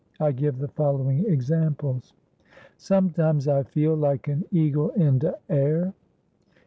I give the following examples: "Sometimes I feel like an eagle in de air."